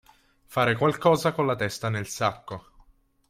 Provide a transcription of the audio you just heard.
Fare qualcosa con la testa nel sacco.